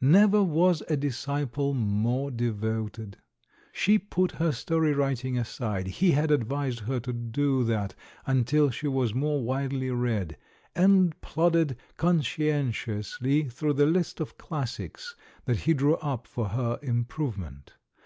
Never was a disciple more devoted. She put her story writing aside — he had advised her to do that until she was more widely read — and plodded conscientiously through the list of classics that he drew up for her improvement.